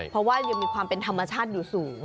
เพราะว่ายังมีความเป็นธรรมชาติอยู่สูง